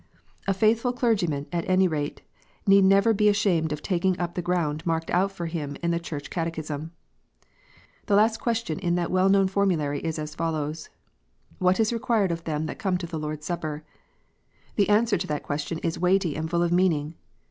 A faithful clergyman, at any rate, need never be ashamed of taking up the ground marked out for him in the Church Catechism. The last question in that well known for mulary is as follows :" What is required of them that come to the Lord s Supper ?" The answer to that question is weighty and full of meaning.